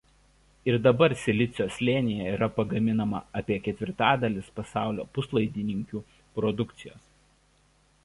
Ir dabar Silicio slėnyje yra pagaminama apie ketvirtadalis pasaulio puslaidininkių produkcijos.